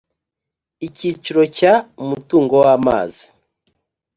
Icyiciro cya Umutungo w’ amazi